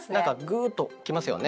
グーッと来ますよね。